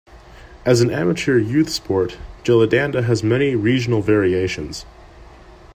As an amateur youth sport, gilli-danda has many regional variations.